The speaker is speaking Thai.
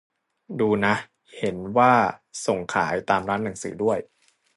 ดูนะ เห็นว่าส่งขายตามร้านหนังสือด้วย